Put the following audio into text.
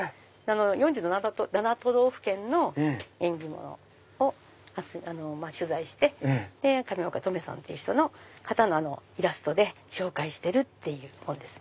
４７都道府県の縁起物を取材して上大岡トメさんっていう方のイラストで紹介してる本ですね。